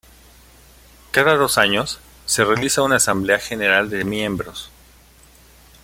Cada dos años, se realiza una Asamblea General de miembros.